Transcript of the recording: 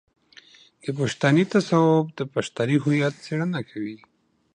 د پښتني تصوف د پښتني هويت څېړنه کوي.